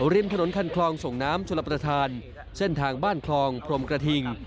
ริมถนนคันคลองส่งน้ำชลประธานเส้นทางบ้านคลองพรมกระทิง